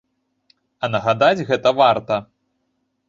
А нагадаць гэта варта.